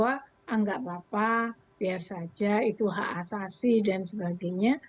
ah enggak bapak biar saja itu hak asasi dan sebagainya